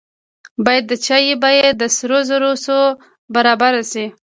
باید د چای بیه د سرو زرو څو برابره شي.